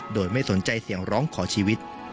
โดยไม่สนใจเสียงร้องขอชีวิต